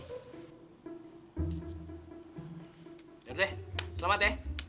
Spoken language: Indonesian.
yaudah deh selamat